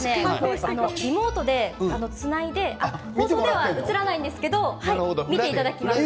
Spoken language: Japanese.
リモートでつないで放送では映らないんですけどなるほど。